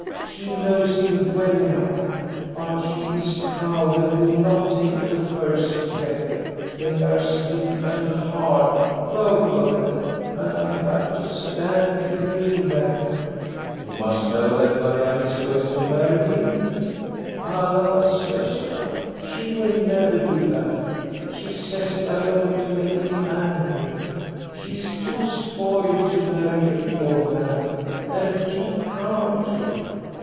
She knows him well enough ; but she is proud and will not take the first step. They are stiff and hard, both of them, and I have to stand between them." " You must know that Marianne is going to marry me?" "Alas, Gosta, she will never do that. She says that only to make him angry. She is too spoiled to marry a poor man, and too proud, too.